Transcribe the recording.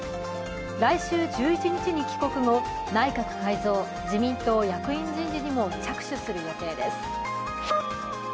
来週１１日に帰国後、内閣改造・自民党役員人事にも着手する予定です。